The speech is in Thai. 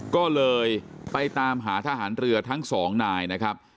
ก็เลยไปตามหาทหารเรือทั้งสองนายนะครับ